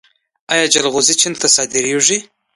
آیا جلغوزي چین ته صادریږي؟